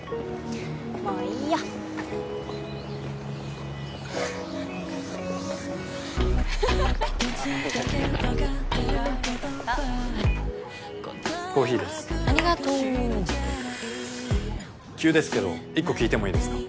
もういいよフッフフフコーヒーですありがとう急ですけど１個聞いてもいいですか？